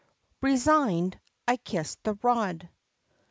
"Resigned, I kissed the rod."